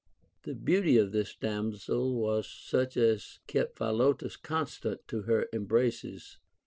The beauty of this damsel was such as kept Philotas constant to her embraces.